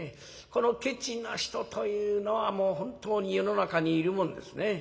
このケチな人というのは本当に世の中にいるもんですね。